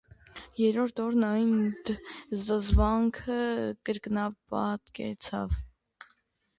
Երրորդ օրն այդ զզվանքը կրկնապատկվեցավ…